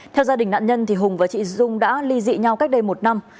theo gia đình nạn nhân hùng và chị dung đã ly dị nhau cách đây một năm